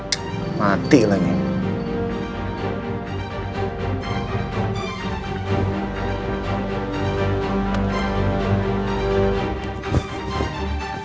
š perhatikan semua video bitterness dari dost stick gw dan instagram saya